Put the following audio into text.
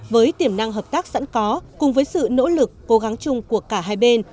với tiềm năng hợp tác sẵn có cùng với sự nỗ lực cố gắng chung của cả hai bên